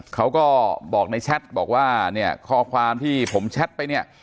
เขาก็บอกในแชทบอกว่าเนี่ยข้อความที่ผมแชทไปเนี่ย